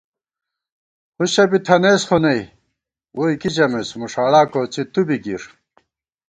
ہُݭہ بی تھنَئیس خو نئ ، ووئی کی ژَمېس مُݭاڑا کوڅی تُوبی گِر